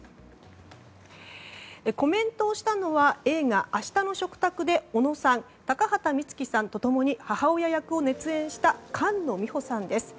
コメントをしたのは映画「明日の食卓」で尾野さん、高畑充希さんと共に出演したそして、母親役を熱演した菅野美穂さんです。